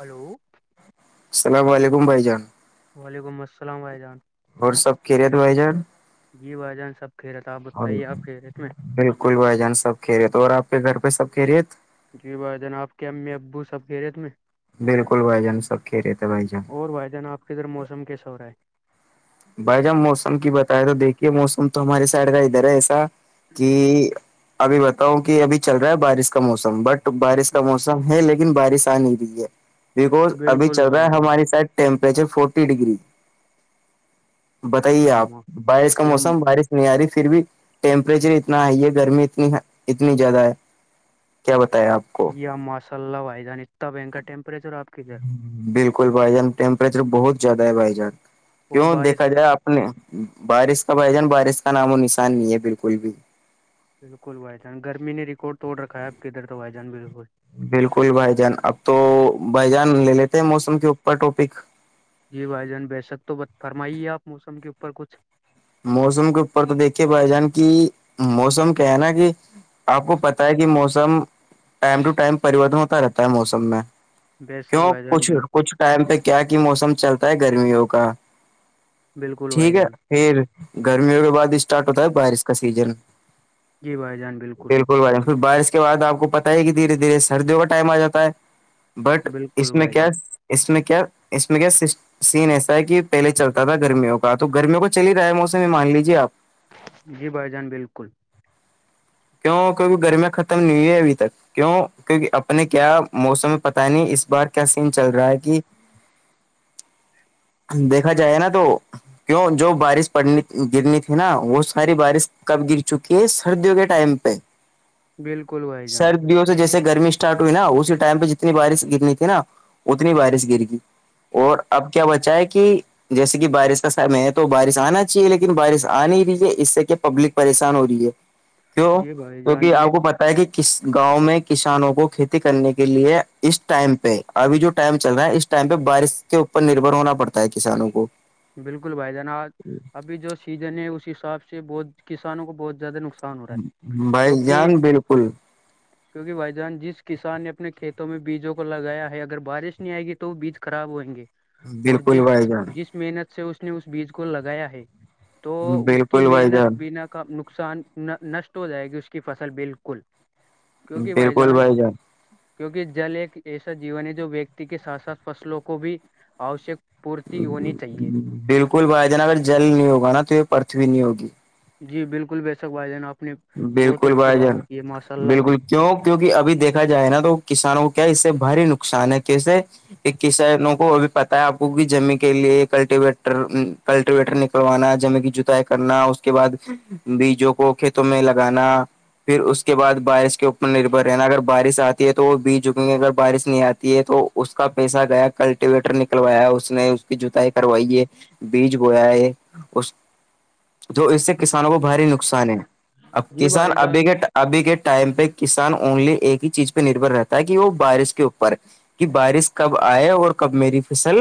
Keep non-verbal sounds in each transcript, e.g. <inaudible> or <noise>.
hello السلام علیکم بھائی جان وعلیکم السلامح جان اور سب کییےت بھ جان یہ وجان سب کھیرت تھا آپ بتائیے آپ فییٹ میں کل بھائی جان سب کہ رہے تھ تو اور آپ کے گھر پہ سب کہ رہے جی بھائی جنا آپ کے امی ابو سب کہہ رہے ت میں بالکل بھائی جان سب کھی رہےتے بھائی جان اور وادینہ آپ کے ادر موسم کیسا ہو رہا ہے بھائی جب موسم کی بتائے تو دیکھیے موسم تو ہماراری سائڈ کا ادھر ہے ایسا کہ ابھی بتاؤ کہ ابھی چل رہا ہے بارش کا موسم بٹ بارش کا موسم ہے لیکن بارش آ نہیں رہی ہے بیکوز ابھی بالکل چل رہا بھائی ہے جان ہماری سائڈ ٹمپرریچر فورٹی ڈگری بتائیے آپ یم بارش کا یم موسم بارش یاری پھر بھی ٹیمپریچر اتنا ہائی ہے گرمی اتنی اتنی زیادہ ہے کیا بتیا آپ کو یا ماسء اللہ وائیدان اتنا بنکا ٹیمپریچر آ کے لیے بالکل بھائی جان ٹیمپریچر بہت زیادہ ہے بھائی جان اور کیوں دیکا بارش کا جائے بارش کا بھائی جان بارش کا نام و نشان نہیں ہے بالکل بھی بالکل بھائی جان گرمی نے ریکارڈ توڑ رکھا ہے آپ کے ادھر تو بھائی جان بالکل بالکل بھائی جان اب تو بھائی جان لے لیتے ہیں موسم کے اوپر ٹاپک جی بھائی جان بےسک تو ب فرمائیے آپ موسم کے اوپر کچھ موسم کے اوپر تو دیکھیے بھائی جان کی موسم کیا ہے نا کہ آپ کو پتا ہے کہ موسم ٹائم ٹو ٹائم پریورتن ہوتا رہتا ہے موسم میں بے شک کیوں بھائی جان کچھ بالکل کچھ ٹائم پہ کیا کی موسم چلتا ہے گرمیوں کا بالکل بھائی ٹھیک ہے جان پھر گرمیوں کے بعد ہی اسٹارٹ ہوتا ہے بارش کا سیزن جی بھائی جان بالکل ب پھر بارش کے بد آپ کو پت ہے کہ دھیرے دھیرے سردیوں کا ٹائم آ جا ہے بٹ بالکل اس میں بھائی کیا جان اس میں کیا اس میں کیا سین ایسا ہے کہ پہلے چلتا تھا گرمیوں کا تو گرمیوں کا چل ہی رہا ہے موسم مان لیجیے آپ جی بھائی جان بالکل کیوں کیک گرمیاں ختم نہیںئی ہے ابھی تک کیوں کیکہ اپنے کیا موسم میں پتا ہی نہیں اس بار کیا سین چل رہا ہے کہ دیکھا جائے نا تو کیوں جو بارش پڑنی گرنی تھی نا وہ ساری بارش کب گر چکی ہے سردیوں کے ٹائم پہ بالکل بھائی جان سردیوں سے جیسے گرمی اسٹارٹ ہوئی نا اسی ٹائم پہ جتنی بارش گرنی تھی نا اتنی بارش گر گئی اور اب کیا بچہ ہے کہ جیسے کہ بارش کا سمے ہے تو بارش آنا چاہیے لیکن بارش آ نہیں رہی ہے اس سے کہ پبلک پریشان ہو رہی ہے کیوں یہ بھائی جان کیکہ لے آپ کو پ کہ ک گاؤں میں کسانوں کو کھیتی کرنے کے لیے اس ٹائم پہ ابھی جو ٹائم چل رہا ہے اس ٹائم پہ بارش کے اوپر نربر ہونا پڑتا ہے کسانوں کو بالکل بھائی جان آج ابھی جو سیزن ہے اس حساب سے بہت کسانوں کو بہت زیادہ نقصان ہو رہا ہے بھائی جان بالکل کیوںکہ بھائی جان جس کسان نے اپنے کھیتوں میں بیجوں کو لگایا ہے اگر بارش نہیں آئے گی تو وہ بیج خراب ہوئیں گے اور بالکل جس بھائی جان جس محنت سے اس نے اس بیج کو لگایا ہے تو اس کی بالکل بھائی محنت جان بنا کا نقصان نشٹ ہو جائے گی اس کی فصل بالکل کیونکہ بھائی جان کیونکہ جل ایک ایسا جیون ہے جو ویکتی کے ساتھ ساتھ فصلوں کو بھی آوشک پورتی ہونی چاہیے بالکل بھائی جان اگر جل نہیں ہوگا نا تو یہ پرتھوی نہیں ہوگی جی بالکل بے شک وھحدینا اپنی بالکل بھائی جان بالکل بھائی جان کیوںک کیوںکہ ابھی دیکا جائے نا تو کسانوں کو کیا اس سے بھاری نقصان ہے کیسے کسانوں کو بھی پتا ہے آپ کو کہ جمی کے لیے کلٹیویٹر کلٹیویٹر نکلوانا جم کی جتاائی کرنا اس کے بعد بیجوں کو تو میں لگانا پھر اس کے بعد بارش کے اوپر نربھر رہنا اگر بارش آتی ہے تو وہ بی جکیں گے اگر بارش نہیں آتی ہے تو اس کا پیسہ گیا کلٹیویٹر نکلوایا اس نے اس کی جتائی کروائی ہے بیج گویا ہے اس تو اس سے کسانوں کو بھاری نقصان ہے اب جی کسان بھائی ابھی جان گٹ ابھی کے ٹائم پہ کسان اونلی ایک ہی چیز پہ نربر رہتا ہے کہ وہ بارش کے اوپر کہ بارش کب آئے اور کب میری فصل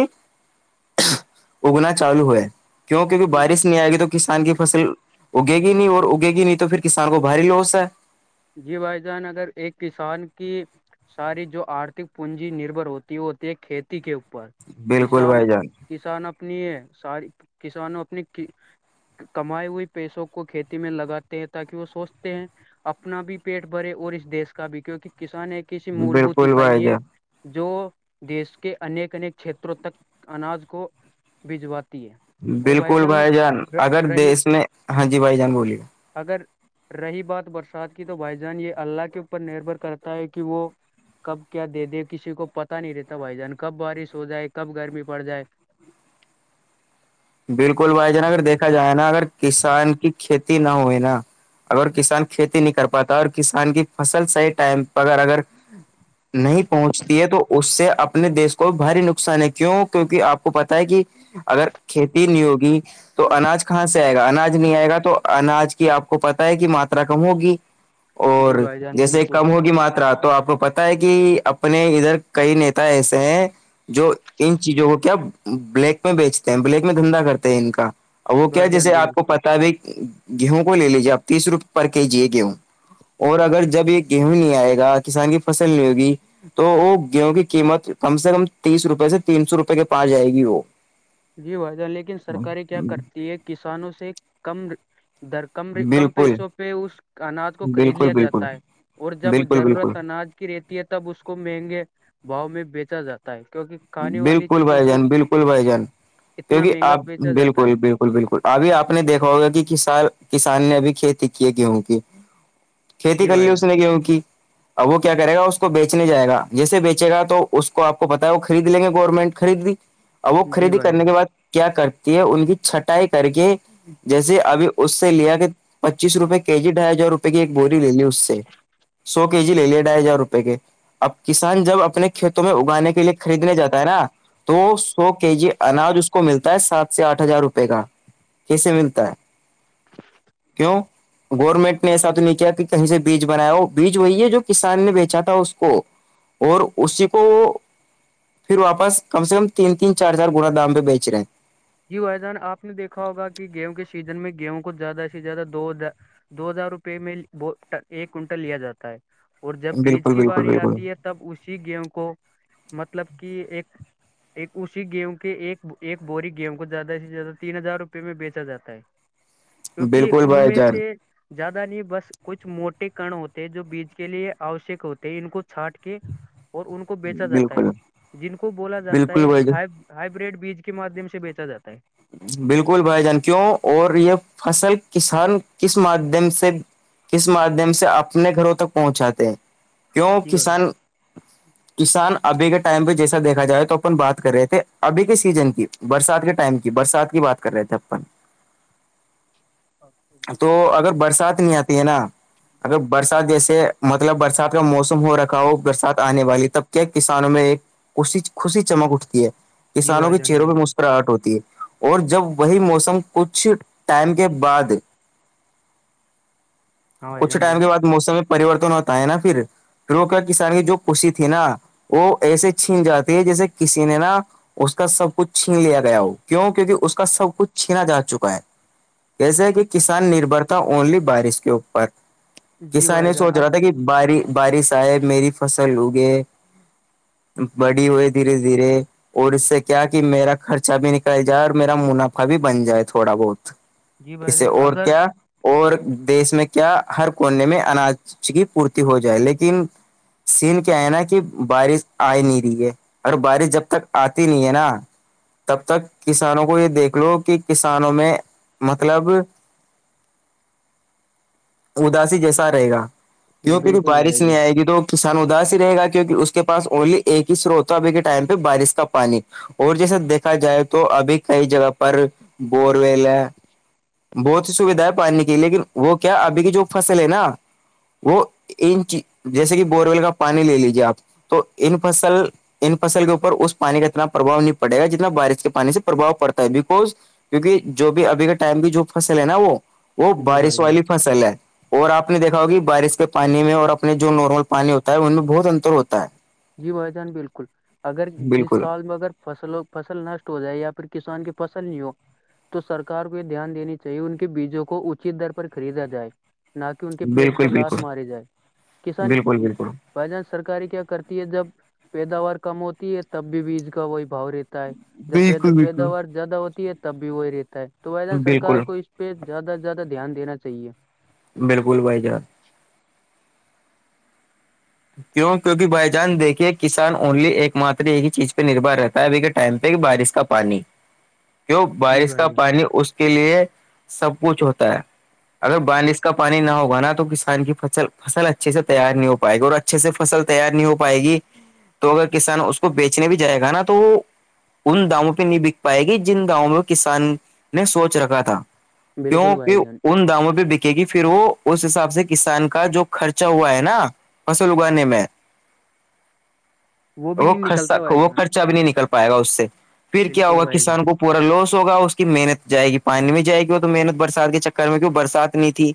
اگنا چالو ہوئے کیوں کیونکہ جی بارش نہیں آئے گی تو کسان کی فصل اگے گی نہیں اور اگے گی نہیں تو پھر کسان کو بھاری لوس ہے جی بھائی جان اگر ایک کسان کی ساری جو آرتھک پوننجی نربر ہوتی ہے ہوتی ہے کھیتی کے اوپر بالکل کسان بھائی جان کسان اپنی یہ ساری کسانوں اپنی کمائے ہوئے پیسوں کو کھیتی میں لگاتے ہیں تاکہ وہ سوچتے ہیں اپنا بھی پیٹ بھرے اور اس دیش کا بھی کیونکہ کسان ایک کہسی مول بھت بالکل بھائی اکائیے جان جو دیش کے انیک انیک کھیتروں تک اناج کو بھجواتی ہے بالکل بھائی جان اگر رہی دیس میں ہاں جی بھائی جان بولیے اگر رہی بات برسات کی کہ تو بھائی جان یہ اللہ کے اوپر نربر کرتا ہے کہ وہ کب کیا دے دے کسی کو پتاہ نہیں رہتا بھائی جان کب بارش ہو جائے کب گرمی پڑ جائے بالکل بھائی جان اگر دیکھا جائے نا اگر کسان کی کھیتی نہ ہوئے نا اگر کسان کھیتی نہیں کر پاتا اور کسان کی فصل صحیح ٹائم پر اگر نہیں پہنچتی ہے تو اس سے اپنے دیش کو بھاری نقصان ہے کیوں کیونکہ آپ کو پت ہے کہ اگر کھیتی نیوگی تو اناج کہاں سے آئے گا اناج نہیں آئے گا تو اناج کی آپ کو پت ہے کہ ماترا کم ہوگی اور جی بھائی جان جیسے بالکل کم ہوگی ماترا تو آپ کو پتا ہے کہ اپنے ادھر کئی نیتا ایسے ہیں جو ان چیزوں کو کیا بلیک میں بیچتے مپلیک میں دھندا کرتے ہیں ان کا وہ کیا بھائی جان جیسے آپ کو بالکل پتا بھی گیہوں کو ل لیجیے آپ تیس روپئےے پر کے جی ہے گیہوں اور اگر جب یہ گیہوں نہیں آئے گا کسان کی فصل نہیں ہوگی تو وہ گیہوں کی قیمت کم سے کم تیس روپئے سے تین سو روپئے کے پاس جائے گی وہ جی وائیدہان لیکن سرکاریں کیا کرتی ہے کسانوں سے کم در کم کم بالکل پیسوں پہ اس اناج کو خرید بالکل لیا بالکل جاتا ہے اور جب بالکل بالکل ضرورت اناج کی ریتی تب اس کو مہنگے باؤ میں بیچا جاتا ہے کیونکہ کھانے والی بالکل چیزوں بھائی کو جان بالکل بھائی جان اتنا کیونکہ مہنگا آپ بالکل بیچا بالکل جاتا ہے بالکل بالکل ابھی آپ نے دیکھا ہوگا کہ ک کسان نے ابھی کھیتی کی ہے گیہوں کی کھیتی جی کر لی بھائی اس نے جان کیوں کی اب وہ کیا کرے گا اس کو بیچنے جائے گا جیسے بیچے گا تو اس کو آپ کو پتا ہے خرید لیں گے گورنمنٹ خریدی اور وہ جی خریدی بھائی کرنے جان کے بعد کیا کرتی ہے ان کی چھٹائی کر کے جیسے ابھی اس سے لیا کہ پچیس روپئے کے جی ڈھائی ہزار روپ کی ایک بوور لے لی اس سے سوک کے جی لے لیے ڈھائی ہزار روپئے کے اب کسان جب اپنے کھیتوں میں اگانے کے لیے خریدنے جاتا ہے نا تو سو کے جی اناج اس کو ملتا ہے سات سے آٹھ ہزار روپئے کا کیسے ملتا ہے ہ <inaudible> گورنمنٹ نے ایسا تو نہیں کیا کہ کہیں سے بیج بنایا ہو بیج وہی ہے جو کسان نے بیچا تھا اس کو اور اسی کو وہ پھر واپس کم سے کم تین تین چار چار گوڑا دام پہ بیچ رہے ہیں جی وحدان آپ نے دیکھا ہوگا کہ گیہوں کے سیزن میں گیہوں کو زیادہ سے زیادہ دو دو ہزار روپئے میں ایک کنٹل لیا جاتا ہے اور جب بیج بالکل کی بالکل باری بالکل آتی ہے تو تب اسی گیوں کو مطلب کہ ایک ایک اسی گیم کے ایک ایک بوری گیم زیادہ سے زیادہ تین ہزار روپئے میں بیچا جاتا ہے کیونکہ بالکل ان بھائی میں جان سے زیادہ نہیں بس کچھ موٹے کن ہوتے جو بیج کے لیے آوشک ہوتے ان کو چھٹ کے اور ان کو بیچا جاتا ہے بالکل جن کو بولا جاتا بالکل ہے بھائی جان ہ ہائی بریڈ بیج کے مادھیم سے بیچا چچا جاتا ہے <inaudible> بالکل بھائی جان کیوں اور یہ فصل کسان کس مادادھیم سے کس مادھیم سے اپنے گھروں تک پہنچاتے ہیں کیوں جی بھائی کسان کسان ابھی کے ٹائم پہ جیسا دیکھا جائے تو اپن بات کر رہے تھے ابھی کے سیزن کی برسات کے ٹائم کی برسات کی بات کر رہے تھے اپن تو اگر برسات نہیں آتی ہے نا اگر برسات جیسے مطلب برسات کا موسم ہو رکھا ہو برسات آنے والی تب کیا کسانوں میں ایک اس خوشی چمک اٹتی ہے جی کسانوں بھائی کے جان چہروں پہ بالکل مسکراہٹ ہوتی ہے اور جب وہی موسم کچھ ٹائم کے بعد ہاں بھائی کچھ جان ٹائم کے بولیے بعد موسم میں پورتن ہوتا ہے نا پھر روک کسان کی جو خشسی تھی نا وہ ایسے چھین جاتی ہے جیسے کسی نے نا اس کا سب کچھ چھین لیا گیا ہو کیوں کیونکہ اس کا سب کچھ چھینا جا چکا ہے کیسے ہے کہ کسان نربھر تھا اونلی بارش کے اوپر جی کسان یہ بھائی جان سوچ رہا اب تھا کہ ب بارش آئے میری فصل اگے بڑی ہوئی دھیرے دھیرے اور اس سے کیا کہ میرا خرچہ بھی ن کہ جائے اور میرا منافع بھی بن جائے تھوڑا بہت جی بھائی اسے جان اور اگر کیا اور دیس میں کیا ہر کونے میں اناج کی پورتی ہو جائے لیکن سین کیا ہے نا کہ بارش آئے نہیں رہی ہے اور بارش جب تک آتی نہیں ہے نا تب تک کسانوں کو یہ دیکھ لو کہ کسانوں میں مطلب اداسی جیسا رہے گا جی کیوں پہ بھی بالکل بارش بھائی نہیں جان آئے گی تو کسان اداس رہے گا کیہ اس کے پاس اونلی ایک ہی سروتا ابھی کے ٹائم پہ بارش کا پانی اور جیسا دیکھا جائے تو ابھی کئی جگہ پر بور ویل ہے بہت ہی سویدھا ہے پانی کی لیکن وہ کیا ابھی کی جو فصل ہے نا وہ ان چ جیسے کہ بورور ویل کا پانی لے لیجیے آپ تو ان فصل ان فصل کے اوپر اس پانی کا اتنا پربھؤ نہیں پڑے گا جتنا بارش کے پانی سے پرباؤ پڑتا ہے بیکز کیونکہ جو بھی ابھی کے ٹائم کی جو فصل ہے نا وہ وہ جی بارش بھائی جان والی فصل ہے اور آپ نے دیکھا ہوگ بارش کے پانی میں اور اپنے جو نارمل پانی ہوتا ہے ان میں بہت انتر ہوتا ہے جی بھائی جان بالکل اگر جس بالکل سال میں اگر فصلوں فصل نشٹ ہو جائے یا پھر کسان کی فصل نہیں ہو تو سرار کو یہ دھیان دین چاہیے ان کے بیجوں کو اچی در پر خریدا جائے نہ کہ ان کے پیٹ بالکل پر بالکل لات مارے جائے کسان بالکل بالکل بائی چانس سرکاری کیا کرتی ہے جب پیداوار کم ہوتی ہے تب بھی بیج کا وہی بھؤ رہتا جب بالکل بالکل پیداوار زیادہ ہوتی ہے تب بھی وہی رہتا ہے تو بائی جان سرار بالکل کو اس پہ زیادہ سے زیادہ دھیان دا چاہیے بالکل بھائی جان کیوں کیونکہ بھائی جان دیکھیے کسان اونلی ایک مات ایک ہی چیز پہ نربھر رہتا ابھی کے ٹائم پہ بارش کا پانی کیوں جی بارش کا بھائی جان پانی اس کے لیے سب کچھ ہوتا ہے اگر بارش کا پانی نہ ہوگانا تو کسان کی فل فصل اچھے سے تیار نہیں ہو پائے گی اور اچھے سے فصل تیار نہیں ہو پائے گی تو اگر کسان اس کو بیچنے بھی جائے گا نا تو وہ ان داموں پہ نہیں بک پائے گی جن داموں پ کسان نے سوچ رکھا تھا بالکل کیوںکہ بھائی جان ان داموں پہ دکھ کی کہ پھر وہ اس حساب سے کسان کا جو خرچا ہوا ہے نا فصل اگانے میں بھی وہ نہیں خرچا نکلتا بھائی وہ جان خرچ بھی نہیں نکل پائے گا اس سے پھر کیا بالکل ہوگا بھائی جان کسان کو پورا لوس ہوگا اس سے محنت جائے گی پانی میں جائے گی وہ تو محنت برسات کے چکر میں کی برسات نہیں تھی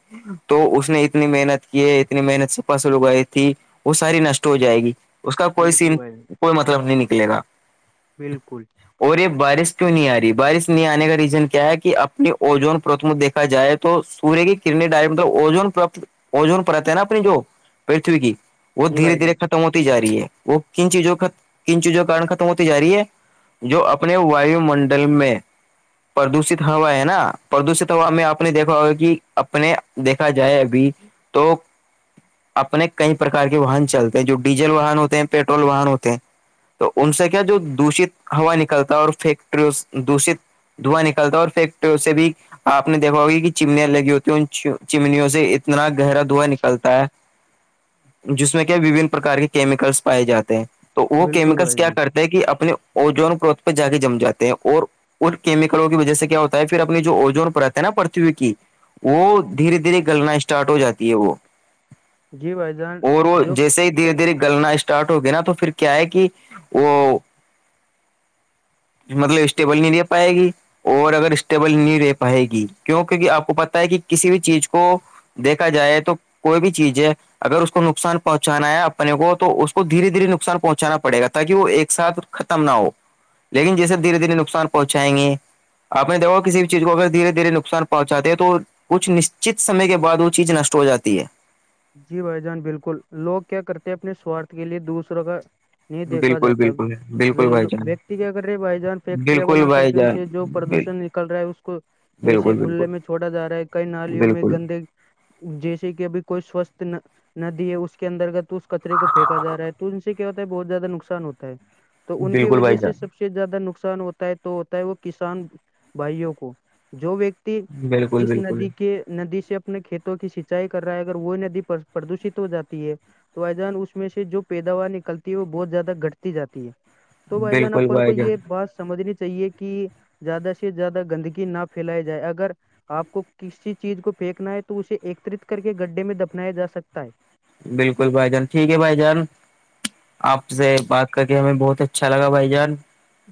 تو اس نے اتنی محنت کی ہے اتنی محنت سے پس لگائی تھی وہ ساری نشٹ ہو جائے گی اس کا کوئی بالکل سم بھائی جان کوئی مطلب نہیں نکلے گا بالکل اور یہ بارش کیوں نہیں آ رہی بارش نہیں آنے کا ریزن کیا ہے کہ اپنی اوجون پرتم دیکھا جائے تو سوریہ کی کڈنی ڈائ مطلب اون پر اجون پرت ہے نا اپنی جو پ وہ جی در بھائی دھیر جان ہوتی ج رہی ہے وہ کن چیزوں کن چیزوں کن ختم ہوتی جای ہے جو اپنے وایو منڈل میں پردوشت ہوا ہے نا پردوشت ہوا میں آپ نے دیکھا ہوا کہ اپنے دیکھا جائے ابھی تو اپنے کئی پرکار کے واہن چلتے ہیں جو ڈیزل واہن ہوتے ہیں پیٹرول واہن ہوتے ہیں تو ان سے کیا جو دشت ہوا نکلتا ہے اور فیکٹریوں دشت دھواں نکلتا ہے اور پھیک پ اس سے بھی آپ نے دیکھا ہوگا کہ چمنیاں لگی ہوتی ہیں ان چمنیوں سے اتنا گہر دھواں نکلتا ہے جس میں کیا وبن پرکار کے کیمیکلس پائے جاتے ہیں تو وہ بالکل کیمکلس بھائی کیا جان کرتے کہ اپنے اجون پروت پہ جا کے جم جاتے ہیں اور ان کیمیکلوں کی وجہ سے کیا ہوتا ہے پھر اپنی جو اوجون پر رہتا ہے نا پرتھوی کی وہ دھیرے دھیرے گلنا اسٹارٹ ہو جاتی ہے وہ جی بھائی جان اور وہ جو جیسے ہی دھیرے دھیرے گلنا اسٹارٹ ہوگیا نا تو پھر کیا ہے کہ وہ مطلب اسٹیبل نہیں دے پائے گی اور اگر اسٹیبل نہیں رہے پائے گی کیوں کیکہ آپ کو پت ہے کہ کسی بھی چیز کو دیکھا جائے تو کوئی بھی چیز ہے اگر اس کو نقصان پہنچانا ہے اپنے کو تو اس کو دھیرے دھیرے نقصان پہنچانا پڑے گا تاکہ وہ ایک ساتھ نہ ہو لیکن جیسے دھیرے دھیرے نقصان پہنچائیں گے آ نے دیکھا کسی بھی چیز کو اگر دھیرے دھیرے نقصان پہنچے ہیں تو کچھ نشچت سمے کے بعد وہ چیز نشٹ ہو جاتی ہے جی بھائی جان بالکل لوگ کیا کرتے ہیں اپنے سوارھ کے لیے دوسروں کا نہیں دیکھا بالکل جاتا بالکل بالکل بھائی جان ویکتی کیا کر رہے بھائی جان فیکٹریاں بالکل بنا کر بھائی کے ان جان سے جو بل- پردوشن ل رہا ہے اس کو ایسے بالکل کھلے بالکل میں چوڑا جا رہا ہے کئی نالیوں میں بالکل گندے جیسے کہ ابھی کوئی سوستھ ندی ہے اس کے اندر گ تو اس کچرے کو پھییکا جا رہا ہے تو ان سے کیا ہوتا ہے بہت زیادہ نقصان ہوتا ہے تو ان کی بالکل وجہ بھائی جان سے سب سے سے زیادہ نقصان ہوتا ہے تو ہوتا ہے وہ کسان بھائیوں کو جو ویکتی بالکل جس بالکل ندی کے ندی سے اپنے کھیتوں کی سینچائی کر رہا ہے اگر وہ ندی پردوشت ہو جاتی ہے تو ا جان اس میں سے جو پیداوار نکلتی ہے وہ بہت زیادہ گھتی جاتی ہے تو بھائی جان بالکل اپن بھائی کو جان یہ بس سمجھنی چاہیے کہ زیادہ سے زیادہ گندگی نہ پھیلائی جائے اگر آپ کو کسی چیز کو پھینکنا ہے تو اسے ایکترت کر کے گڈھے میں دفنایا جا سکتا ہے بالکل بھائی جان ٹھیک ہے بھائی جان آپ سے بات کر کے ہمیں بہت اچھا لگا بھائی جان